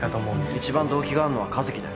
一番動機があんのは一樹だよ